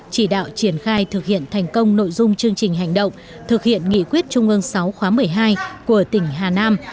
chỉ đạo triển khai thực hiện thành công nội dung chương trình hành động thực hiện nghị quyết trung ương sáu khóa một mươi hai của tỉnh hà nam